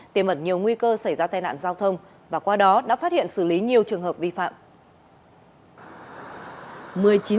tiềm ẩn nhiều nguy cơ xảy ra tai nạn giao thông và qua đó đã phát hiện xử lý nhiều trường hợp vi phạm